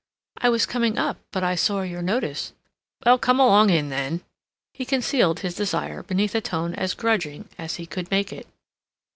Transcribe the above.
"I was coming up, but I saw your notice." "Well, come along in, then." He concealed his desire beneath a tone as grudging as he could make it.